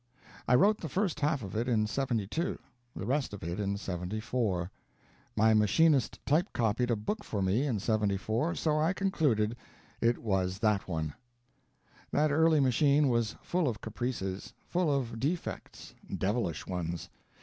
_ I wrote the first half of it in '72, the rest of it in '74. My machinist type copied a book for me in '74, so I concluded it was that one. That early machine was full of caprices, full of defects devilish ones.